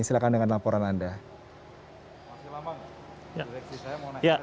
silakan dengan laporan anda